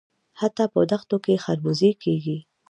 حتی په دښتو کې خربوزې کیږي.